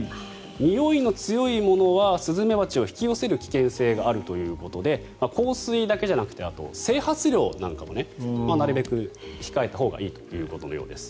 においの強いものはスズメバチを引き寄せる危険性があるということで香水だけじゃなくて整髪料なんかもなるべく控えたほうがいいということのようです。